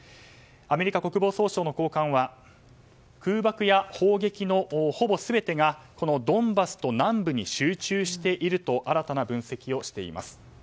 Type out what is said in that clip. アメリカ国防総省の高官は空爆や砲撃のほぼ全てがドンバスと南部に集中していると新たな分析をしています。